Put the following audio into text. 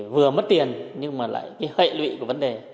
vừa mất tiền nhưng lại hệ lụy của vấn đề